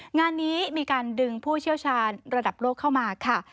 งานนี้มีการดึงผู้เชี่ยวชาญระดับโลกเข้ามาค่ะ